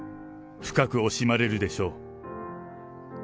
深く惜しまれるでしょう。